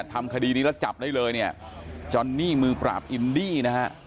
ทำคดีนี้แล้วจับได้เลยเนี่ยจอนนี่มือปราบอินดี้นะฮะ